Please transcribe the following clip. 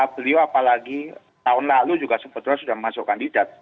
beliau apalagi tahun lalu juga sebetulnya sudah masuk kandidat